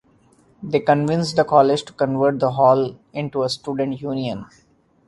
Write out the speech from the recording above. They convinced the college to convert the hall into a student union.